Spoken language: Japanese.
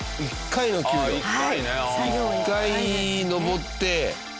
１回登って。